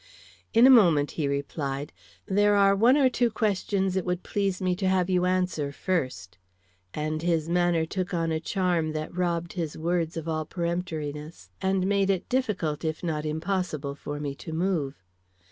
"In a moment," he replied. "There are one or two questions it would please me to have you answer first." And his manner took on a charm that robbed his words of all peremptoriness, and made it difficult, if not impossible, for me to move.